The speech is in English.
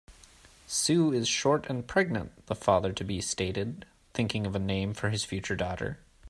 "Sue is short and pregnant", the father-to-be stated, thinking of a name for his future daughter.